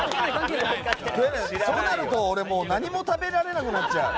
そうなると俺何も食べられなくなっちゃう！